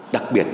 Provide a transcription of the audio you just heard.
đặc biệt là